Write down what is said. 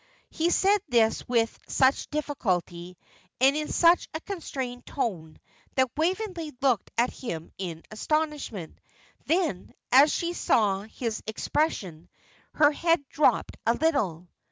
He said this with such difficulty, and in such a constrained tone, that Waveney looked at him in astonishment. Then, as she saw his expression, her head drooped a little.